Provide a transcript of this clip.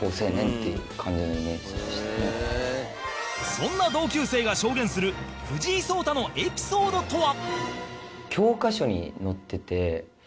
そんな同級生が証言する藤井聡太のエピソードとは？